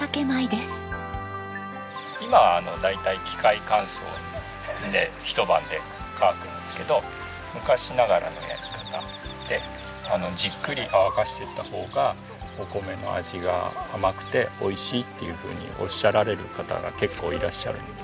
今は大体機械乾燥で一晩で乾くんですけど昔ながらのやり方でじっくり乾かしていったほうがお米の味が甘くて美味しいっていうふうにおっしゃられる方が結構いらっしゃるので。